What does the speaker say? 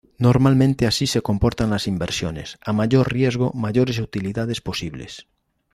Normalmente así se comportan las inversiones, a mayor riesgo mayores utilidades posibles.